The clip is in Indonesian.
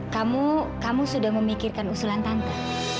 kamu sudah memikirkan usulan tante